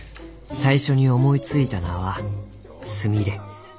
「最初に思いついた名は『スミレ』。